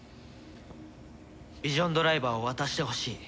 ヴィジョンドライバーを渡してほしい。